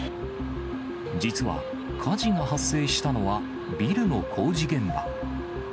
実は、火事が発生したのはビルの工事現場。